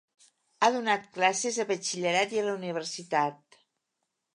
Ha donat classes a batxillerat i a la universitat.